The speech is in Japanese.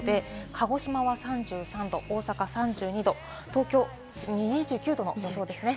鹿児島は３３度、大阪３２度、東京２９度の予想ですね。